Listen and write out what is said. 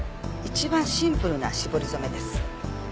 一番シンプルな絞り染めです。